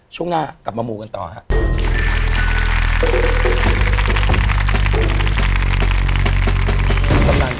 ช่วงหน้ากลับมามูกันต่อครับ